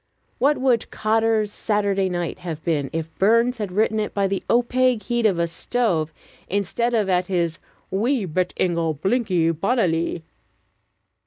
What would "Cotter's Saturday Night" have been, if Burns had written it by the opaque heat of a stove instead of at his "Wee bit ingle blinkin' bonnilie?"